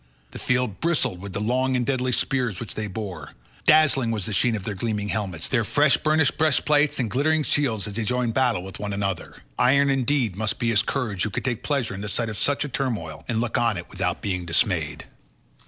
The field bristled with the long and deadly spears which they bore. Dazzling was the sheen of their gleaming helmets, their fresh burnished breastplates, and glittering shields as they joined battle with one another. Iron indeed must be his courage who could take pleasure in the sight of such a turmoil, and look on it without being dismayed.